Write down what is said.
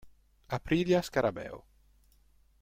Aprilia Scarabeo